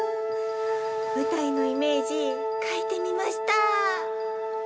舞台のイメージ描いてみました。